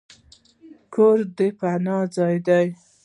کور د پناه ځای دی.